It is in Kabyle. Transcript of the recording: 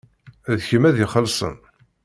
D kemm ad ixellṣen.